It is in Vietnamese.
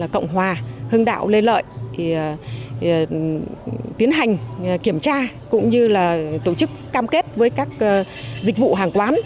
cộng hòa hưng đạo lê lợi tiến hành kiểm tra cũng như tổ chức cam kết với các dịch vụ hàng quán